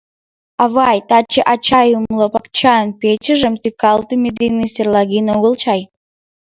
— Авай, таче ачай умлапакчан печыжым тӱкалтыме дене серлаген огыл чай.